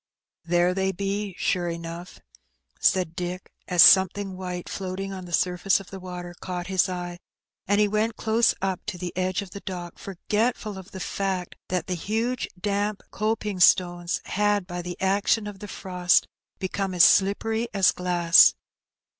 • "There they be, sure enough," said Dick, as something white, floating on the surface of the water, caught his eye, and he went close up to the edge of the dock, forgetful of the fact that the huge damp coping stones had, by the action of the frost, become as slippery as glass.